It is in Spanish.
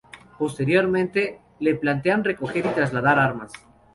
Posteriormente, le plantean recoger y trasladar armas.